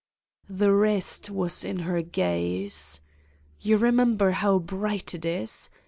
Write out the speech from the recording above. " The rest was in her gaze. You remember how bright it is?